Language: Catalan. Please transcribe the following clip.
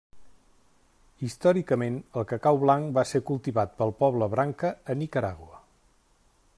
Històricament, el cacau blanc va ser cultivat pel poble Branca a Nicaragua.